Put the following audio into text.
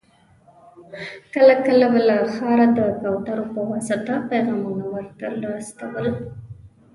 کله کله به له ښاره د کوترو په واسطه پيغامونه ور ته را رسېدل.